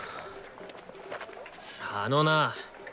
あのなあ！